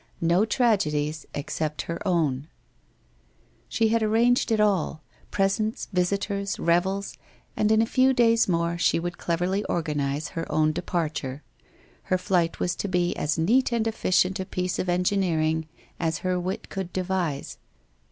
No tragedies, except her own ! She had arranged it all, presents, visitors, revels, and in a few days more she would cleverly organize her own departure. Her flight was to be as neat and efficient a piece of engineering as her wit could devise.